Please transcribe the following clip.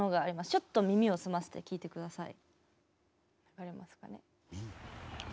ちょっと耳を澄ませて聞いてください。